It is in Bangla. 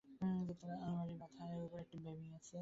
আলমারির মাথার উপরে একটি গ্লোব কাপড় দিয়া ঢাকা রহিয়াছে।